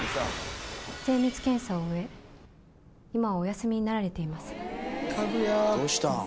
精密検査を終え今はお休みになられていますかぐやどうした？